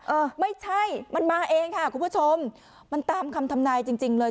เออไม่ใช่มันมาเองค่ะคุณผู้ชมมันตามคำทำนายจริงจริงเลย